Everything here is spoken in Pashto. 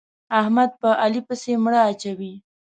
احمد په علي پسې مړه اچوي.